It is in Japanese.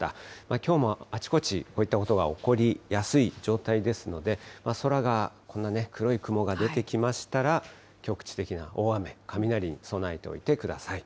きょうもあちこち、こういったことが起こりやすい状態ですので、空が黒い雲が出てきましたら、局地的な大雨、雷に備えておいてください。